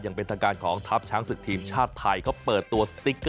อย่างเป็นทางการของทัพช้างสึกทีมชาติไทยเขาเปิดตัว